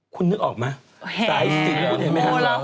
คุณนึกออกไหม